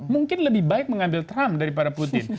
mungkin lebih baik mengambil trump daripada putin